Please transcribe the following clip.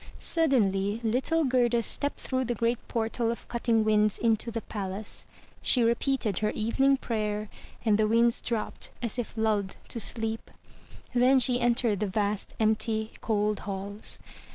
Suddenly little Gerda stepped through the great portal of cutting winds into the palace. She repeated her evening prayer, and the winds dropped as if lulled to sleep. Then she entered the vast, empty, cold halls.